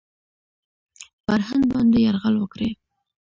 پر هند باندي یرغل وکړي.